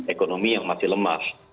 ekonomi yang masih lemah